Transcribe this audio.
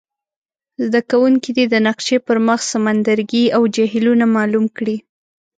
زده کوونکي دې د نقشي پر مخ سمندرګي او جهیلونه معلوم کړي.